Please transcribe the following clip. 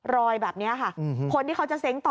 รอยแบบนี้ค่ะคนที่เขาจะเซ้งต่อ